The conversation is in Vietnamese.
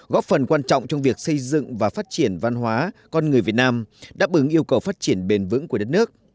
góp phần quan trọng trong việc xây dựng và phát triển văn hóa con người việt nam đáp ứng yêu cầu phát triển bền vững của đất nước